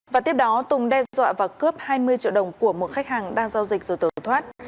và tiếp đó tùng đe dọa và cướp hai mươi triệu đồng của một khách hàng đang giao dịch rồi tổn thoát